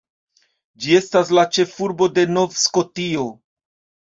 Ĝi estas la ĉefurbo de Nov-Skotio.